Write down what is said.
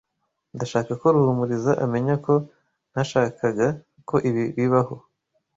Ndashaka ko Ruhumuriza amenya ko ntashakaga ko ibi bibaho.